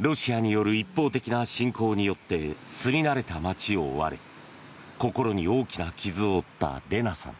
ロシアによる一方的な侵攻によって住み慣れた街を追われ心に大きな傷を負ったレナさん。